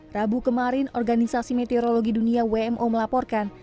rabu kemarin organisasi meteorologi dunia wmo melaporkan